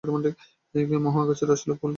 মহুয়া গাছের রসালো ফুল এদের দারুণ পছন্দ।